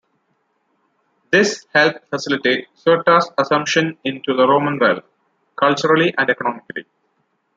This helped facilitate Cirta's assumption into the Roman realm, culturally and economically.